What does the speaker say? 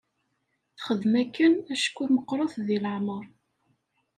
Texdem akken acku meqqret deg leɛmer.